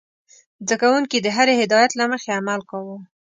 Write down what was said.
زده کوونکي د هرې هدايت له مخې عمل کاوه.